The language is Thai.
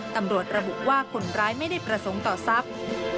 ตำรวจระบุว่าคนร้ายไม่ได้ประสงค์ต่อทรัพย์